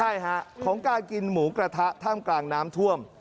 ใช่ฮะของการกินหมูกระทะท่ามกลางน้ำท่วม